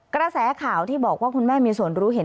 กระแสข่าวที่บอกว่าคุณแม่มีส่วนรู้เห็น